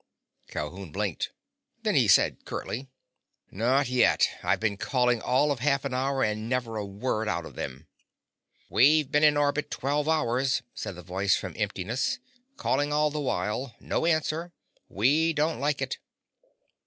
Calhoun blinked. Then he said curtly: "Not yet. I've been calling all of half an hour, and never a word out of them!" "We've been in orbit twelve hours," said the voice from emptiness. "Calling all the while. No answer. We don't like it."